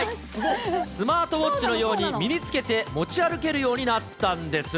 スマートウォッチのように、身に着けて持ち歩けるようになったんです。